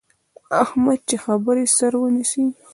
احمد چې د خبرې سر ونیسي،